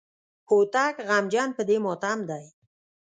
هوتک غمجن په دې ماتم دی.